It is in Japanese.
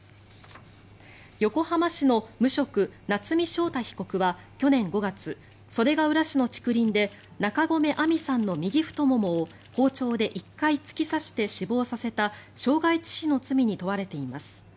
横浜市の無職・夏見翔太被告は去年５月袖ケ浦市の竹林で中込愛美さんの右太ももを包丁で１回突き刺して死亡させた傷害致死の罪に問われています。